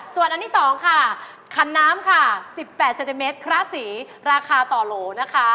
ส่วนอันที่๒ค่ะขันน้ำค่ะ๑๘เซนติเมตรคละสีราคาต่อโหลนะคะ